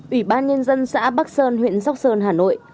ủy ban nhân dân xã bắc sơn huyện sóc sơn hà nội